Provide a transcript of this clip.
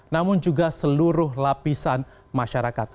namun juga seluruh lapisan masyarakat